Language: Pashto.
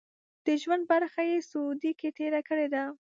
د ژوند برخه یې سعودي کې تېره کړې وه.